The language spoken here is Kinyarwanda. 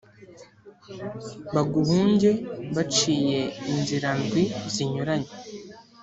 baguhunge baciye inzira ndwi zinyuranye.